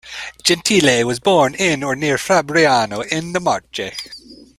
Gentile was born in or near Fabriano, in the Marche.